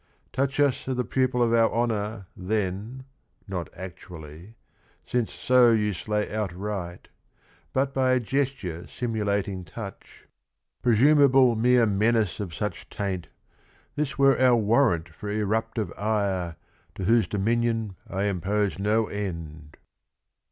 Touch us o' the pupil of our honour, then, Not actually, — since so you slay outright, — But by a gesture simulating touch, HYACINTHUS DE ARCHANGELIS 133 Presumable mere menace of such taint, — This were our warrant for eruptive ire 'To whose dominion I impose no end.'